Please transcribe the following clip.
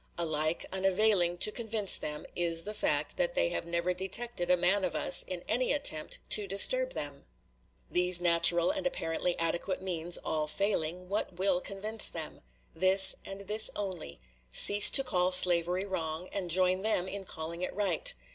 Alike unavailing to convince them is the fact that they have never detected a man of us in any attempt to disturb them. These natural and apparently adequate means all failing, what will convince them? This, and this only: cease to call slavery wrong, and join them in calling it right.